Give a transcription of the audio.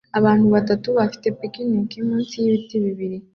Abantu batatu bafite picnic munsi yibiti bibiri